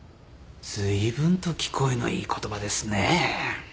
ずいぶんと聞こえのいい言葉ですねぇ。